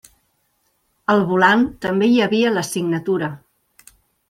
Al volant també hi havia la signatura.